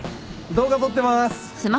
動画撮ってます。